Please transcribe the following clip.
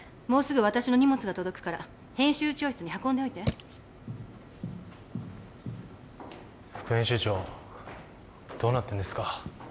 もうすぐ私の荷物が届くから編集長室に運んでおいて副編集長どうなってんですか？